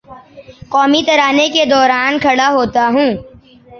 قومی ترانے کے دوراں کھڑا ہوتا ہوں